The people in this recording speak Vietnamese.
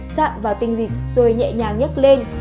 sạm vào tinh dịch rồi nhẹ nhàng nhắc lên